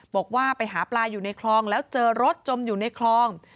บอกว่าไปหาปลาอยู่ในคลองแล้วเจอรถจมอยู่ในคลอง